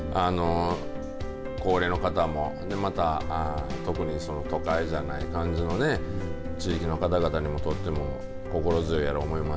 高齢の方もまた、特に都会じゃない患者のね地域の方々にとっても心強いやろうなと思います。